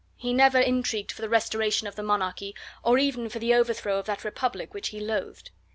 He never intrigued for the restoration of the monarchy, or even for the overthrow of that Republic which he loathed.